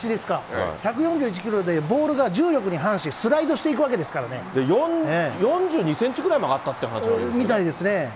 １４１キロで、ボールが重力に反し、スライドしていくわけで４２センチぐらい曲がったっみたいですね。